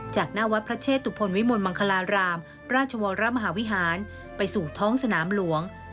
จากหน้าวัดพระเชตุพลวิมลมังคลารามราชวรมหาวิหารไปสู่ท้องสนามหลวง